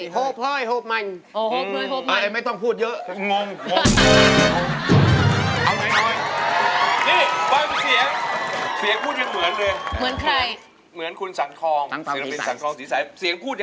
โฮพระเอ้ยโฮบมัยนโอโฮบนวยโฮบมัยไม่ต้องพูดเยอะ